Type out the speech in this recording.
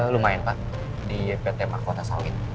lumayan pak di pt markota sawit